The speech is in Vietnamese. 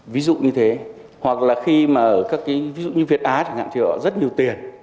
ví dụ như thế hoặc là khi mà ở các cái ví dụ như việt á chẳng hạn thì họ rất nhiều tiền